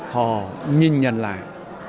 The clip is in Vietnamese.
họ nhìn nhận lại